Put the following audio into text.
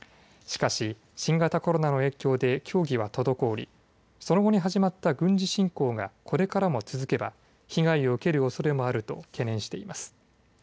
しかし新型コロナの影響で協議は滞りその後に始まった軍事侵攻がこれからも続けば被害を受けるおそれもあると懸念しています。